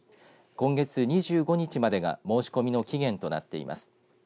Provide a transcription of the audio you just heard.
今月２５日までが申し込みの期限となっています。